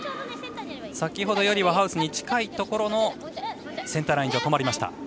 先ほどよりはハウスに近いところセンターライン上、止まりました。